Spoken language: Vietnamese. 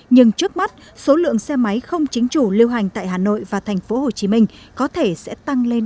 nhưng trước mắt số lượng xe máy không chính chủ liêu hành tại hà nội và thành phố hồ chí minh có thể sẽ tăng lên